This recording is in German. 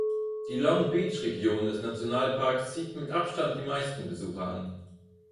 Die Long-Beach-Region des Nationalparks zieht mit Abstand die meisten Besucher an.